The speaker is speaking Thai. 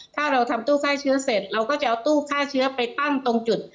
ถ้าเราทำตู้ฆ่าเชื้อเสร็จเราก็จะเอาตู้ฆ่าเชื้อไปตั้งตรงจุด